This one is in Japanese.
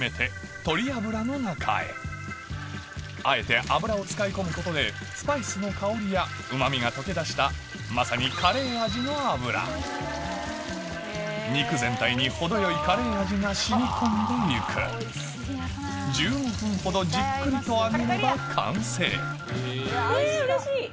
鶏油の中へあえて油を使い込むことでスパイスの香りやうま味が溶け出したまさに肉全体に程よいカレー味が染み込んでいく１５分ほどじっくりと揚げれば完成うれしい！